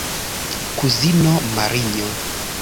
Kuzino Marinjo!